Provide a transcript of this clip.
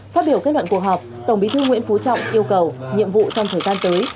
phát biểu kết luận cuộc họp tổng bí thư nguyễn phú trọng yêu cầu nhiệm vụ trong thời gian tới